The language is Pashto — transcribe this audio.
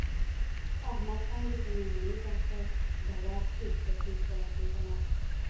په احمد باندې د ننني ډاکټر دوا ټیک په ټیک ولږېدله.